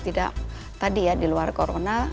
tidak tadi ya di luar corona